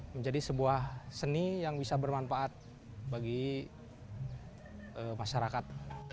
menjadi sebuah seni yang bisa bermanfaat bagi masyarakat